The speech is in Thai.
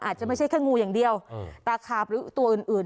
อาจจะไม่ใช่แค่งูอย่างเดียวตาขาบหรือตัวอื่น